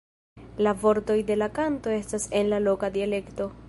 La vortoj de la kanto estas en la loka dialekto.